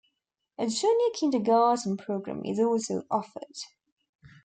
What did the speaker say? A junior kindergarten program is also offered.